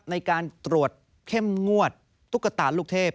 ในการตรวจเข้มงวดตุ๊กตาลูกเทพ